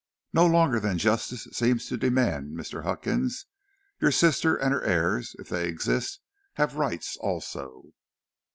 "No longer than justice seems to demand, Mr. Huckins; your sister, and her heirs, if they exist, have rights also."